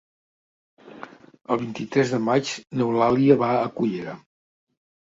El vint-i-tres de maig n'Eulàlia va a Cullera.